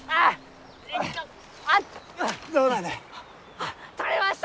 あっ採れました！